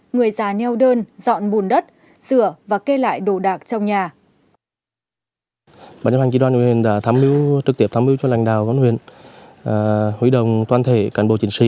người già neo đơn dọn bùn đất sửa và kê lại đồ đạc trong nhà